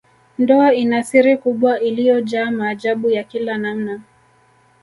Ndoa ina siri kubwa iliyojaa maajabu ya kila namna